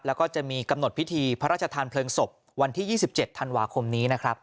แล้วก็จะมีกำหนดพิธีพระราชทานเพลิงศพวันที่๒๗ธันวาคมนี้นะครับ